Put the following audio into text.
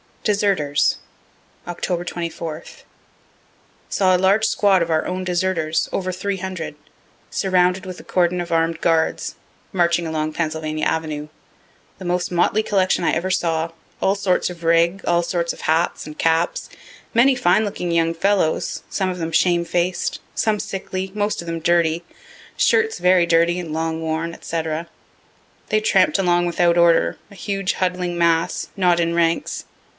DESERTERS Oct. 24. Saw a large squad of our own deserters (over 300) surrounded with a cordon of arm'd guards, marching along Pennsylvania avenue. The most motley collection I ever saw, all sorts of rig, all sorts of hats and caps, many fine looking young fellows, some of them shame faced, some sickly, most of them dirty, shirts very dirty and long worn, &c. They tramp'd along without order, a huge huddling mass, not in ranks.